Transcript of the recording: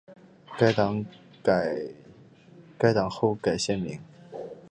该党后改现名。